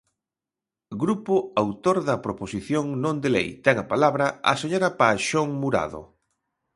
Grupo autor da proposición non de lei, ten a palabra a señora Paxón Murado.